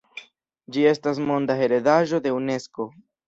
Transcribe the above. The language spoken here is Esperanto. Ĝi estas monda heredaĵo de Unesko.